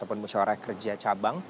yang kemudian menghasilkan satu rekomen